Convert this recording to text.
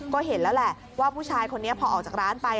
ก็เห็นแล้วแหละว่าผู้ชายคนนี้พอออกจากร้านไป